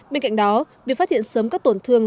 bên cạnh đó việc phát hiện sớm các tổn thương